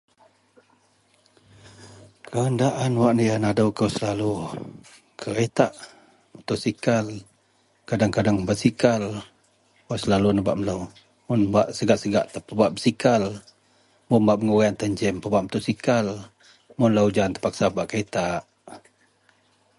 kenderaan wak nadou kou selalu keretak, motosikal kadeng-kadeng basikal, wak selalu nebak melou, mun bak segak-segak tan bak basikal, mun bak megurang tan jem pebak motosikal mun lau ujan terpaksa pebak keretak